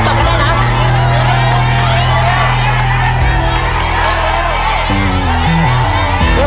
มัดเลย